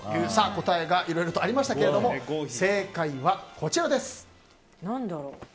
答えがいろいろありましたが正解は、こちらです。